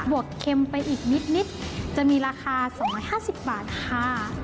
วกเค็มไปอีกนิดจะมีราคา๒๕๐บาทค่ะ